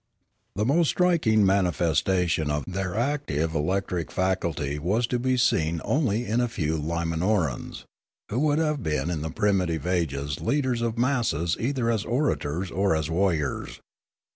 The most striking manifestation of their active elec tric faculty was to be seen only in a few Limanorans, who would have been in the primitive ages leaders of masses either as orators or as warriors.